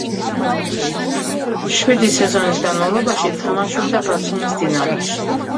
შვიდი სეზონის განმავლობაში თამაშობდა ბათუმის „დინამოში“.